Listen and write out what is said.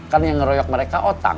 kan yang ngeroyok mereka otak